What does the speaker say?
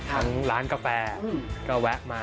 ทั้งร้านกาแฟก็แวะมา